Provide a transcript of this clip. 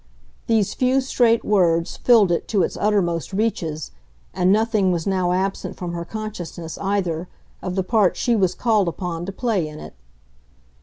These few straight words filled it to its uttermost reaches, and nothing was now absent from her consciousness, either, of the part she was called upon to play in it.